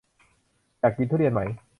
อยากกินทุเรียนไหม